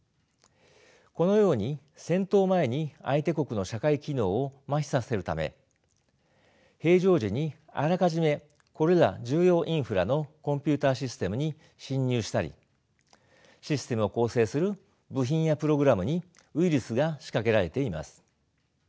このように戦闘前に相手国の社会機能を麻痺させるため平常時にあらかじめこれら重要インフラのコンピューターシステムに侵入したりシステムを構成する部品やプログラムにウイルスが仕掛けられています。